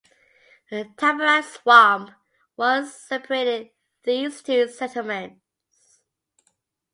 A tamarack swamp once separated these two settlements.